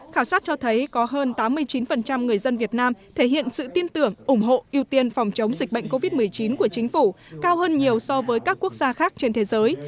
khảo sát cho thấy có hơn tám mươi chín người dân việt nam thể hiện sự tin tưởng ủng hộ ưu tiên phòng chống dịch bệnh covid một mươi chín của chính phủ cao hơn nhiều so với các quốc gia khác trên thế giới